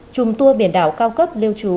chùm tour biển đảo cao cấp liêu trú